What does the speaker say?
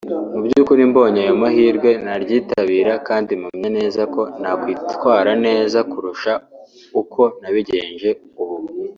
Mu by’ukuri mbonye ayo mahirwe naryitabira kandi mpamya neza ko nakwitwara neza kurusha uko nabigenje ubu”